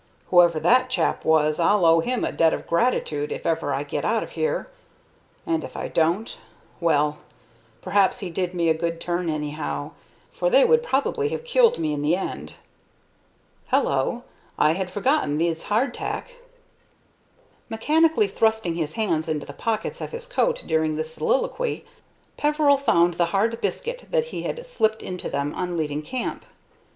Whoever that chap was, I'll owe him a debt of gratitude if ever I get out of here; and if I don't Well, perhaps he did me a good turn anyhow, for they would probably have killed me in the end. Hello! I had forgotten these hardtack." Mechanically thrusting his hands into the pockets of his coat during this soliloquy, Peveril found the hard biscuit that he had slipped into them on leaving camp.